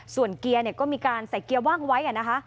ส่วนเกียร์ก็มีการใส่เกียร์ว่างไว้นะคะ